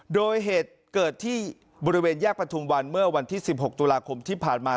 โดยเหตุเกิดที่บริเวณแยกประทุมวันเมื่อวันที่๑๖ตุลาคมที่ผ่านมา